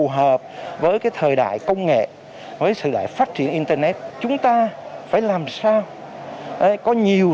hợp với cái thời đại công nghệ với sự đại phát triển internet chúng ta phải làm sao có nhiều